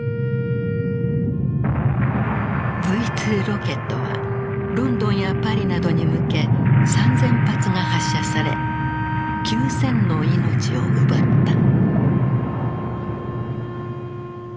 Ｖ２ロケットはロンドンやパリなどに向け３，０００発が発射され９，０００の命を奪った。